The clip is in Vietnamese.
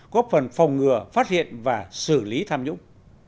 góp phần phòng ngừa phát hiện và xử lý tham nhũng